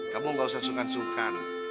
kamu gak usah sungkan sungkan